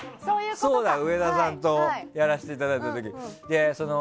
そうだ、上田さんとやらせていただいた時。